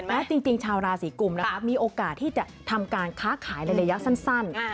จริงชาวราศีกุมนะคะมีโอกาสที่จะทำการค้าขายในระยะสั้น